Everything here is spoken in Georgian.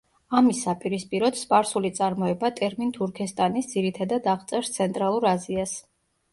ამის საპირისპიროდ, სპარსული წარმოება ტერმინ „თურქესტანის“, ძირითადად აღწერს ცენტრალურ აზიას.